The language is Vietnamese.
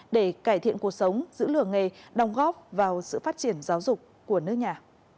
để cải thiện cuộc sống giữ lượng nghề đồng góp vào sự phát triển giáo dục của nước nhà